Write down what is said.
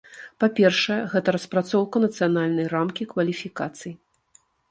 Па-першае, гэта распрацоўка нацыянальнай рамкі кваліфікацый.